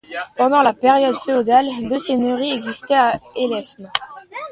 Pendant la période féodale, deux seigneuries existaient à Élesmes.